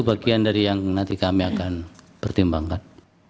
sekian dari yang nanti kami akan pertimbangkan